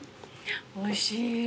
おいしい。